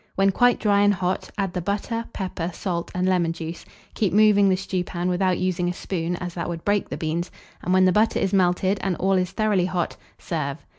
When quite dry and hot, add the butter, pepper, salt, and lemon juice; keep moving the stewpan, without using a spoon, as that would break the beans; and when the butter is melted, and all is thoroughly hot, serve.